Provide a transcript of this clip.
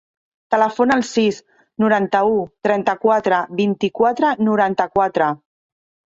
Telefona al sis, noranta-u, trenta-quatre, vint-i-quatre, noranta-quatre.